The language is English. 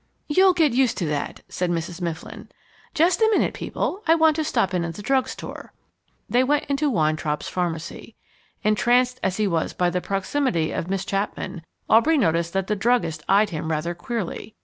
"You'll get used to that," said Mrs. Mifflin. "Just a minute, people, I want to stop in at the drug store." They went into Weintraub's pharmacy. Entranced as he was by the proximity of Miss Chapman, Aubrey noticed that the druggist eyed him rather queerly.